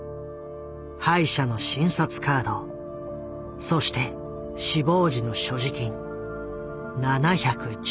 歯医者の診察カードそして死亡時の所持金７１１円。